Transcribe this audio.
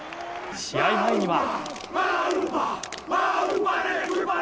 試合前には。